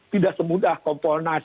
tidak semudah komponasi